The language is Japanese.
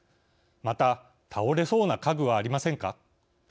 また倒れそうな家具はありませんか。